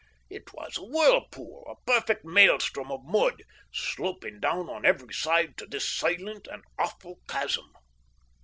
It was a whirlpool a perfect maelstrom of mud, sloping down on every side to this silent and awful chasm.